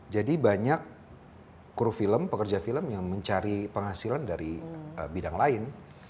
jadi banyak crew film pekerja film yang mencari penghasilan dari bidang lain